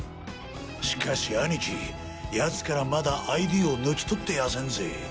しかし兄貴奴からまだＩＤを抜き取ってやせんぜ。